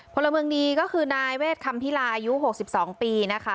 พลเมืองดีก็คือนายเวทคำพิลาอายุ๖๒ปีนะคะ